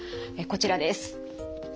こちらです。